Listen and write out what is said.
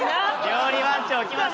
料理番長きました！